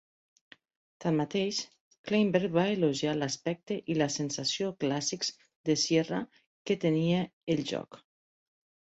Tanmateix, Kleinberg va elogiar l'aspecte i la sensació clàssics de Sierra que tenia el joc.